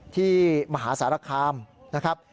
มหาสารคามนะครับ